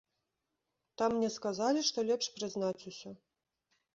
Там мне сказалі, што лепш прызнаць усё.